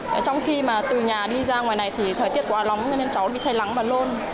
trong khi mà từ nhà đi ra ngoài này thì thời tiết quá nóng nên cháu bị say nắng và lôn